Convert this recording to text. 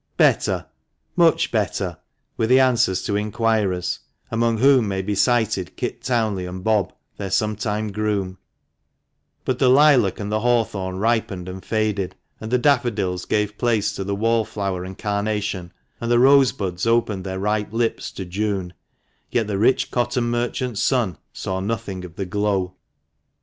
" Better," " Much better," were the answers to inquirers (among whom may be 'cited Kit Townley, and Bob, their sometime groom) ; but the lilac and the hawthorn ripened and faded, and the daffodils gave place to the wallflower and carnation, and the rosebuds opened their ripe lips to June, yet the rich cotton merchant's son saw nothing of the glow.